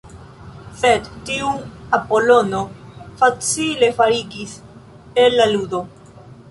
Sed tiun Apolono facile forigis el la ludo.